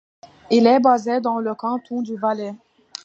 Il est basé dans le canton du Valais.